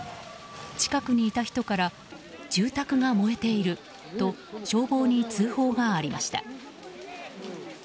近くにいた人から住宅が燃えていると消防に通報がありました。